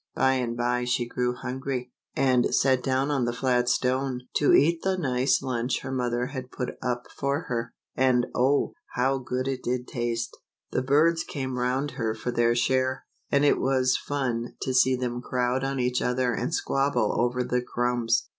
By and by she grew hungry, and sat down on a flat stone to eat the nice lunch her mother had put up for her, and oh, how good it did taste ! The birds came round her for their share, and it was fun to see them crowd on each other and squabble over the crumbs.